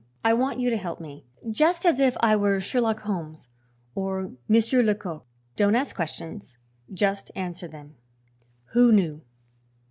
"I want you to help me just as if I were Sherlock Holmes or Monsieur Lecoq. Don't ask questions; just answer them. Who knew?"